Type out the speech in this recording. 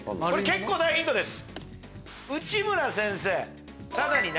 結構大ヒントです。